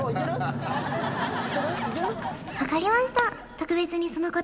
分かりました